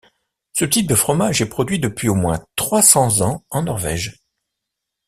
Ce type de fromage est produit depuis au moins trois cents ans en Norvège.